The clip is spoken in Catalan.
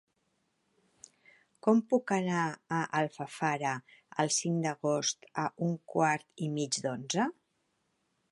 Com puc anar a Alfafara el cinc d'agost a un quart i mig d'onze?